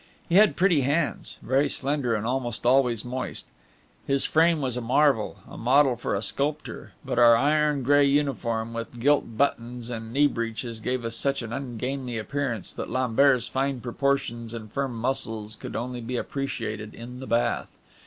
He had pretty hands, very slender, and almost always moist. His frame was a marvel, a model for a sculptor; but our iron gray uniform, with gilt buttons and knee breeches, gave us such an ungainly appearance that Lambert's fine proportions and firm muscles could only be appreciated in the bath.